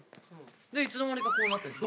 いつの間にかこうなってるの。